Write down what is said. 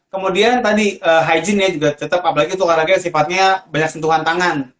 kemudian tadi hijinnya juga tetap apalagi tukar raga sifatnya banyak sentuhan tangan